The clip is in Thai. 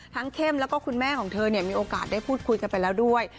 เข้มแล้วก็คุณแม่ของเธอมีโอกาสได้พูดคุยกันไปแล้วด้วย